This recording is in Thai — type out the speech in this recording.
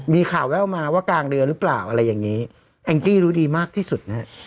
มีข่าวแววมาว่ากลางเดือนหรือเปล่าอะไรอย่างนี้แองจี้รู้ดีมากที่สุดนะฮะ